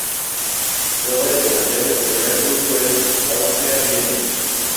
Jugaba de delantero y su primer club fue el Austria Viena.